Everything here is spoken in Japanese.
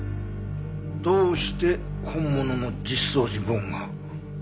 どうして本物の実相寺梵が？